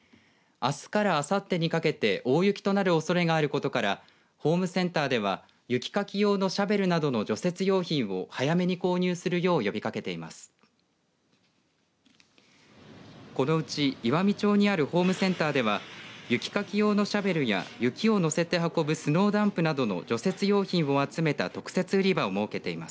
あすからあさってにかけて大雪となるおそれがあることからホームセンターでは雪かき用のシャベルなどの除雪用品を早めに購入するよう呼びかけています。